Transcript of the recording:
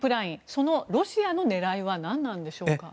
そのロシアの狙いは何なんでしょうか。